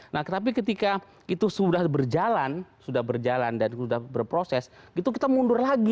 nah tapi ketika itu sudah berjalan sudah berjalan dan sudah berproses gitu kita mundur lagi